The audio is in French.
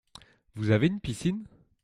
Vous avez une piscine ?